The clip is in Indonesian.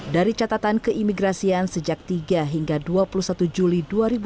dari catatan keimigrasian sejak tiga hingga dua puluh satu juli dua ribu dua puluh